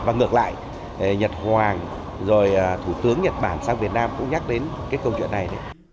và ngược lại nhật hoàng rồi thủ tướng nhật bản sang việt nam cũng nhắc đến cái câu chuyện này